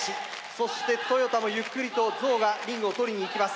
そして豊田もゆっくりとゾウがリングを取りに行きます。